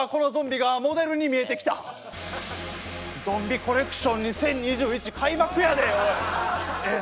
ゾンビコレクション２０２１開幕やでおい！